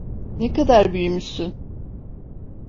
Ne kadar büyümüşsün.